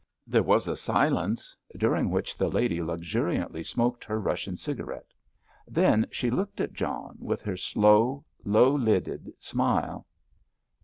There was a silence, during which the lady luxuriantly smoked her Russian cigarette. Then she looked at John with her slow, low lidded smile.